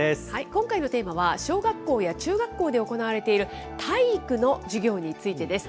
今回のテーマは、小学校や中学校で行われている体育の授業についてです。